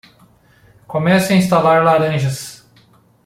Comece a instalar laranjas